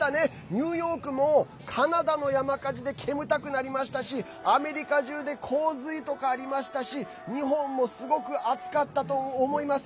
ニューヨークもカナダの山火事で煙たくなりましたしアメリカ中で洪水とかありましたし日本もすごく暑かったと思います。